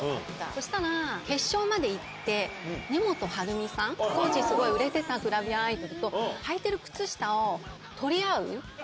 そしたら、決勝まで行って、根本はるみさん、当時すごい売れてたグラビアアイドルと、はいてる靴下を取り合う。